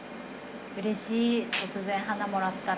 うれしい突然花もらったら。